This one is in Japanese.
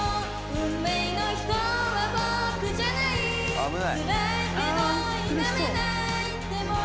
危ない。